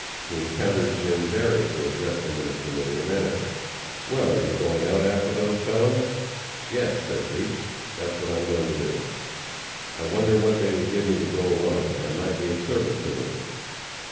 He encountered Jim Berry, who addressed him in a familiar manner: "Well, are you going out after those fellows?" "Yes," said Leach, "that's what I am going to do." "I wonder what they would give me to go along? I might be of service to them."